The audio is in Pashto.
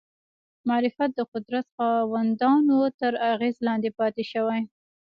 معرفت د قدرت خاوندانو تر اغېزې لاندې پاتې شوی